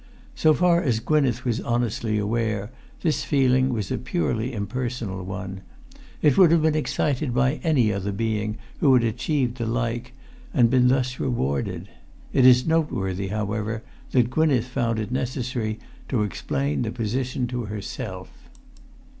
So far as Gwynneth was honestly aware, this feeling was a purely impersonal one. It would have been excited by any other being who had achieved the like and been thus rewarded. It is noteworthy, however, that Gwynneth found it necessary to explain the position to herself.